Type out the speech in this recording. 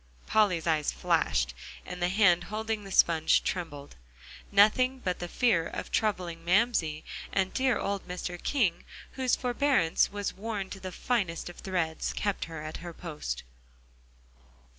Polly's eyes flashed, and the hand holding the sponge trembled. Nothing but the fear of troubling Mamsie, and dear old Mr. King whose forbearance was worn to the finest of threads, kept her at her post.